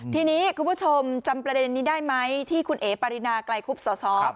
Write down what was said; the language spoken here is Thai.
ทีนี้คุณผู้ชมจำประเด็นนี้ได้ไหมที่คุณเอ๋ปารินาไกลคุบสส